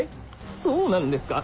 そうなんですか？